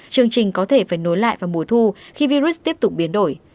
chương trình có thể phải nối lại vào mùa thu khi virus tiếp tục biến đổi